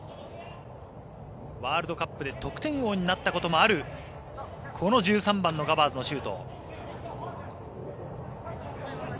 ワールドカップで得点王になったこともある１３番のガバーズのシュート。